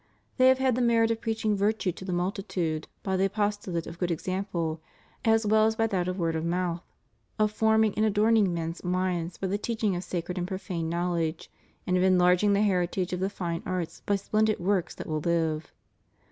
They have had the merit of preaching virtue to the multitude by the apostolate of good example, as well as by that of word of mouth, of forming and adorning men's minds by the teaching of sacred and profane knowledge, and of enlarging the heritage of the fine arts by splendid works that will live.